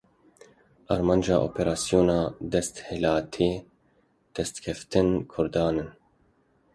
Armanca operasyona desthilatê destkeftên Kurdan in.